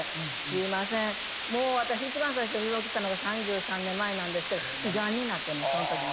もう私一番最初に病気したのが３３年前なんですけど胃がんになってねそのとき。